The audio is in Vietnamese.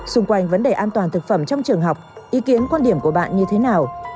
xung quanh vấn đề an toàn thực phẩm trong trường học ý kiến quan điểm của bạn như thế nào